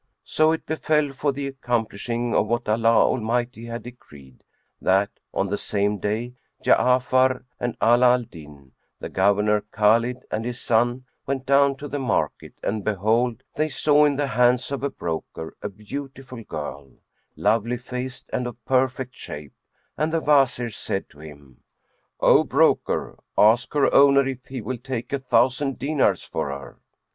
So it befell, for the accomplishing of what Allah Almighty had decreed, that on the same day, Ja'afar and Ala al Din, the Governor Khбlid and his son went down to the market and behold, they saw in the hands of a broker a beautiful girl, lovely faced and of perfect shape, and the Wazir said to him, "O broker, ask her owner if he will take a thousand dinars for her."